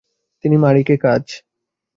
তিনি মারিকে কাজ